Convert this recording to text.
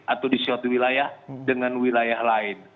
atau di suatu wilayah dengan wilayah lain